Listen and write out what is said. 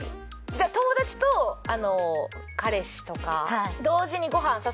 じゃあ友達と彼氏とか。